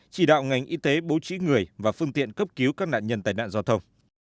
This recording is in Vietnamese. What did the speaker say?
chỉ đạo ngành y tế bố trí người và phương tiện cấp cứu các nạn nhân tài nạn giao thông